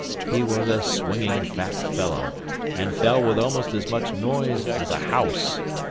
He was a swinging fat fellow, and fell with almost as much noise as a house.